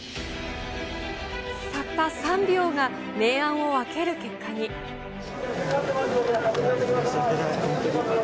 たった３秒が明暗を分ける結申し訳ない、本当に。